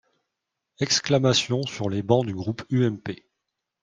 Exclamations sur les bancs du groupe UMP.